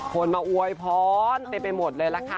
คนมาอวยพรเต็มไปหมดเลยล่ะค่ะ